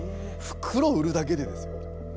袋売るだけでですよ。